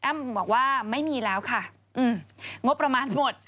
บอกว่าไม่มีแล้วค่ะงบประมาณหมด